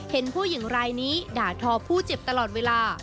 เห็นผู้หญิงรายนี้ด่าทอผู้เจ็บตลอดเวลา